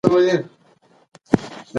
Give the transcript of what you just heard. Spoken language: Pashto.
یار مې د ګلو لو کوي او ګوتې رېبي.